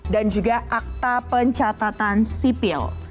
dan juga akta pencatatan sipil